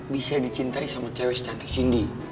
bisa dicintai sama cewek cantik cindy